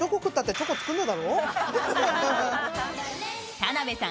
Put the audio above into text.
田辺さん